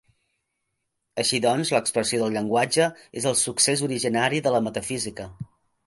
Així doncs, l’expressió del llenguatge és el succés originari de la metafísica.